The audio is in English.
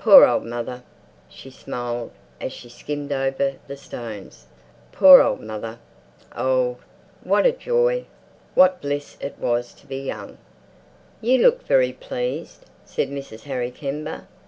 Poor old mother, she smiled, as she skimmed over the stones. Poor old mother! Old! Oh, what joy, what bliss it was to be young.... "You look very pleased," said Mrs. Harry Kember.